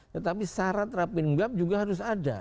tetapi syarat rapim gap juga harus ada